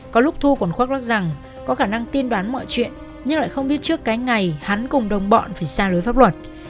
có lúc thu còn khoác lắc rằng có khả năng tin đoán mọi chuyện nhưng lại không biết trước cái ngày hắn cùng đồng bọn phải xa lưới pháp luật